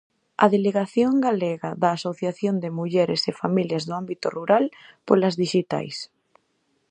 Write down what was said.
A delegación galega da Asociación de Mulleres e Familias do Ámbito Rural polas dixitais.